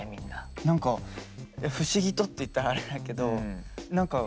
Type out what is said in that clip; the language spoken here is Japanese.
何か不思議とって言ったらあれだけど何か見えるよねそうね。